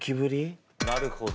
なるほど。